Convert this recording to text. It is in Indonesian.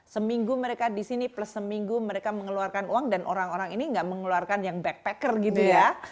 seminggu mereka di sini plus seminggu mereka mengeluarkan uang dan orang orang ini nggak mengeluarkan yang backpacker gitu ya